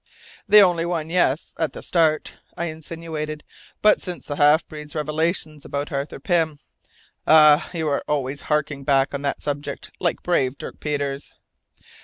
"The only one yes at the start," I insinuated. "But since the half breed's revelations about Arthur Pym " "Ah! You are always harking back on that subject, like brave Dirk Peters."